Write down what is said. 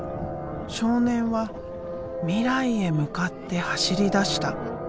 少年は未来へ向かって走りだした。